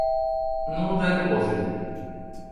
Ну, да это после.